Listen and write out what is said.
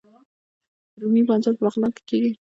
رومي بانجان په بغلان کې کیږي